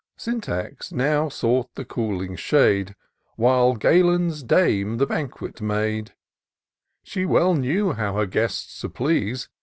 Syntax now sought the cooling shade, While Galen's dame the banquet made : She well knew how her guests to please.